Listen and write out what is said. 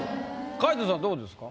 皆藤さんどうですか？